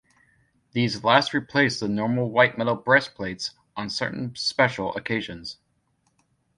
These last replaced the normal white metal breastplates on certain special occasions.